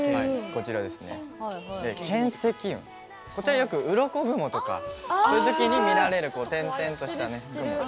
巻積雲は、よくうろこ雲とかの時そういうときに見られる点々とした。